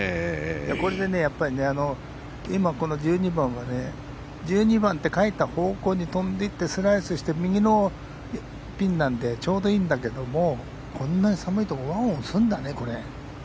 これで今、１２番は１２番って書いた方向に飛んでいって、スライスして右のピンなのでちょうどいいんだけどもこんなに寒いのに１オンするんだね。